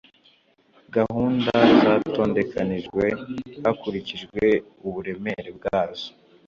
gahunda zatondekanijwe hakurikijwe uburemere bwazo